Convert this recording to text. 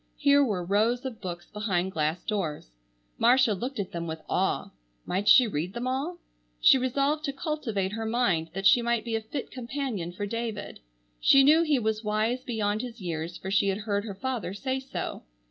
Here were rows of books behind glass doors. Marcia looked at them with awe. Might she read them all? She resolved to cultivate her mind that she might be a fit companion for David. She knew he was wise beyond his years for she had heard her father say so.